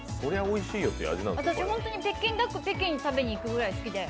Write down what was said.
私、本当に北京ダックを北京に食べに行くぐらい好きで。